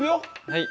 はい。